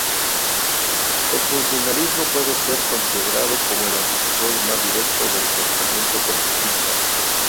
El funcionalismo puede ser considerado como el antecesor más directo del pensamiento conductista.